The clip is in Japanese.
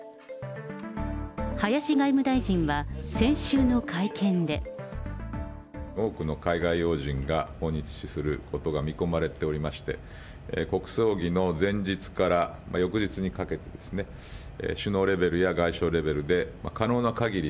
林外務大臣は、多くの海外要人が訪日することが見込まれておりまして、国葬儀の前日から翌日にかけてですね、首脳レベルや外相レベルで、可能なかぎり